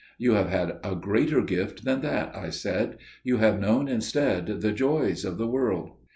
"You have had a greater gift than that," I said. "You have known instead the joys of the world."